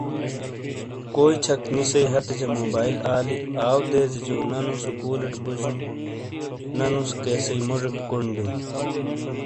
کوئی چھک نیسٔی ہَتیجا موبایٔل آِلی آؤدیزیجو نہ نُو سُکولیٹ بُجوں، تو نہ نُس کیسیٔی موجیک کوݨ دییوں۔